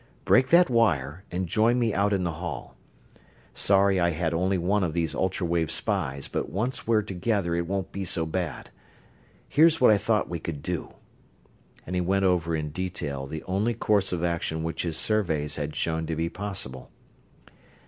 Break that wire and join me out in the hall. Sorry I had only one of these ultra wave spies, but once we're together it won't be so bad. Here's what I thought we could do," and he went over in detail the only course of action which his surveys had shown to be possible.